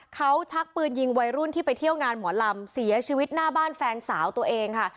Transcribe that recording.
เขาชักปืนยิงวัยรุ่นที่ไปเที่ยวงานหมอลำเสียชีวิตหน้าบ้านแฟนสาวตัวเองค่ะ